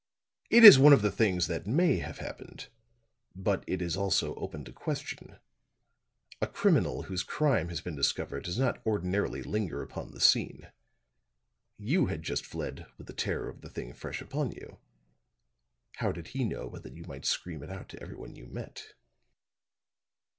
It is one of the things that may have happened; but it is also open to question. A criminal whose crime has been discovered does not ordinarily linger upon the scene. You had just fled with the terror of the thing fresh upon you. How did he know but that you might scream it out to everyone you met."